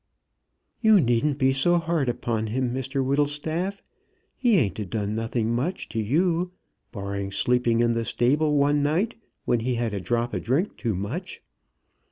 "You needn't be so hard upon him, Mr Whittlestaff. He ain't a done nothing much to you, barring sleeping in the stable one night when he had had a drop o' drink too much."